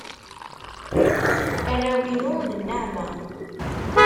Arraw-inu d nneɛma.